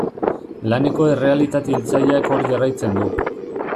Laneko errealitate hiltzaileak hor jarraitzen du.